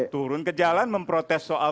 turun ke jalan memprotes soal